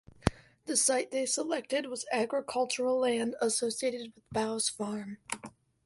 The site they selected was agricultural land associated with Bowes Farm.